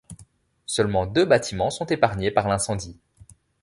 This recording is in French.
Seulement deux bâtiments sont épargnés par l'incendie.